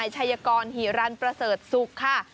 ชัยกรหิรันประเสริฐศุกร์ค่ะ